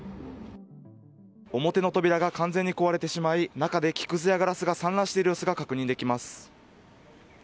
表の扉が完全に壊れてしまい中で木くずやガラスが散乱している様子が確認できます。